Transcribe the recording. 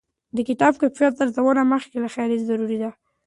د کتاب کیفیت ارزونه مخکې له خرید ضروري ده.